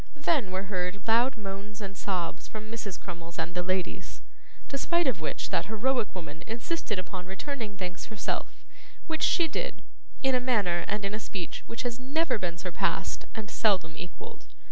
Then were heard loud moans and sobs from Mrs. Crummles and the ladies, despite of which that heroic woman insisted upon returning thanks herself, which she did, in a manner and in a speech which has never been surpassed and seldom equalled.